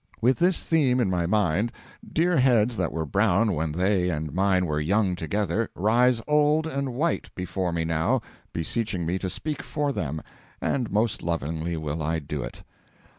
With this theme in my mind, dear heads that were brown when they and mine were young together rise old and white before me now, beseeching me to speak for them, and most lovingly will I do it.